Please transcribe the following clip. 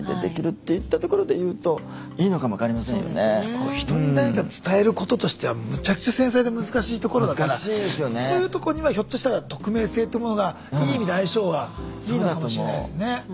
こう人に何か伝えることとしてはむちゃくちゃ繊細で難しいところだからそういうとこにはひょっとしたら匿名性ってものがいい意味で相性はいいのかもしれないですね。